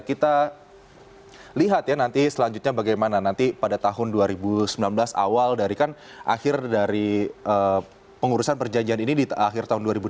kita lihat ya nanti selanjutnya bagaimana nanti pada tahun dua ribu sembilan belas awal dari kan akhir dari pengurusan perjanjian ini di akhir tahun dua ribu delapan belas